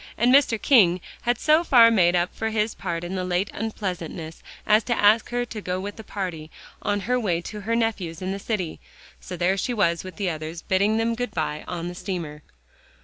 And Mr. King had so far made up for his part in the late unpleasantness as to ask her to go with the party, on her way to her nephew's in the city. So there she was with the others, bidding them good by on the steamer.